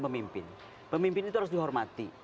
memimpin pemimpin itu harus dihormati